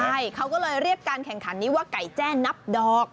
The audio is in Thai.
ใช่เขาก็เลยเรียกการแข่งขันนี้ว่าไก่แจนับดอก